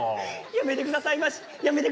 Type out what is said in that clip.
やめてくださいましやめてくださいまし。